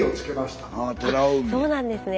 あそうなんですね。